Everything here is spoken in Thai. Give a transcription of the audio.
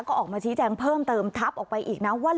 ก็ออกมาชี้แจงเพิ่มเติมทับออกไปอีกนะว่า